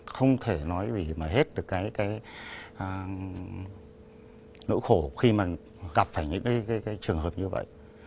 không thể nói gì mà hết được nỗi khổ khi gặp phải những trường hợp như vậy